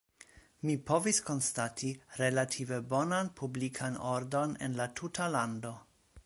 Mi povis konstati relative bonan publikan ordon en la tuta lando.